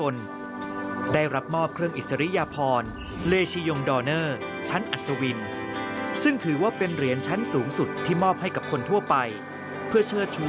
ในประเทศฝรั่งเศส